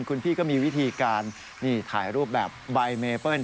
คุณพี่ก็มีวิธีการนี่ถ่ายรูปแบบใบเมเปิ้ล